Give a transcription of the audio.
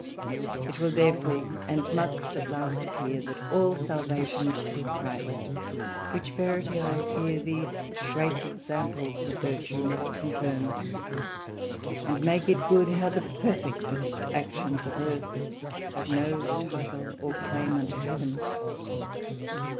It will therefore, and must at last appear, that all salvation is through Christ; which verity I fear these great examples of virtue must confirm, and make it good, how the perfectest actions of earth have no title or claim unto Heaven.